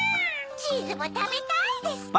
チーズも「たべたい」ですって。